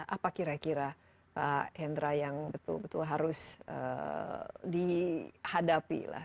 apa kira kira pak hendra yang betul betul harus dihadapi lah